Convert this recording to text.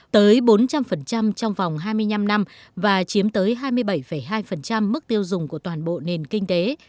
tới bốn trăm linh trong vòng hai mươi năm năm và chiếm tới hai mươi bảy hai mức tiêu dùng của toàn bộ nền kinh tế